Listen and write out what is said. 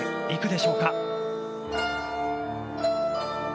いくでしょうか。